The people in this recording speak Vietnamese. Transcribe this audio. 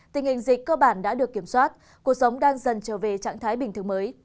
tình hình dịch cơ bản đã được kiểm soát cuộc sống đang dần trở về trạng thái bình thường mới